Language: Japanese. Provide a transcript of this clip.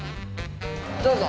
どうぞ。